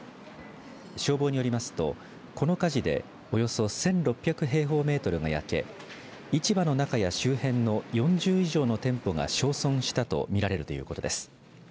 消防によりますとこの火事で、およそ１６００平方メートルが焼け市場の中や周辺の４０以上の店舗が焼損したとみられるということです。